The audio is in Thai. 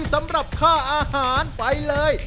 สำหรับค่าอาหารไปเลย